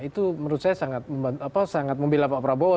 itu menurut saya sangat membela pak prabowo